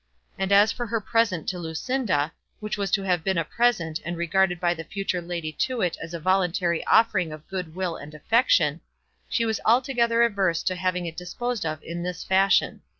And as for her present to Lucinda, which was to have been a present, and regarded by the future Lady Tewett as a voluntary offering of good will and affection, she was altogether averse to having it disposed of in this fashion.